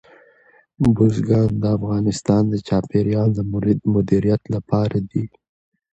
بزګان د افغانستان د چاپیریال د مدیریت لپاره دي.